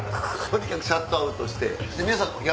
とにかくシャットアウトして。